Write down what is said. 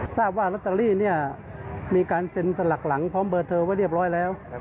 ทราบว่าลอตเตอรี่เนี่ยมีการเซ็นสลักหลังพร้อมเบอร์เธอไว้เรียบร้อยแล้ว